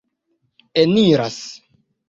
eniras